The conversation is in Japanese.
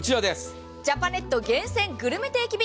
ジャパネット厳選グルメ定期便